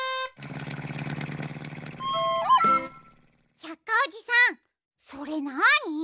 百科おじさんそれなに？